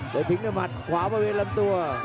โดยทิ้งด้วยมัดขวามาเป็นลำตัว